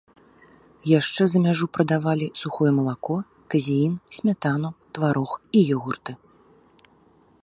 Яшчэ за мяжу прадавалі сухое малако, казеін, смятану, тварог і ёгурты.